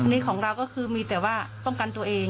นี่ของเราก็คือมีแต่ว่าป้องกันตัวเอง